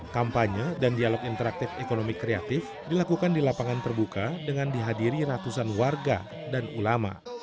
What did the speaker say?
kampanye dan dialog interaktif ekonomi kreatif dilakukan di lapangan terbuka dengan dihadiri ratusan warga dan ulama